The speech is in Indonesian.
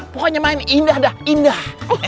pokoknya main indah dah indah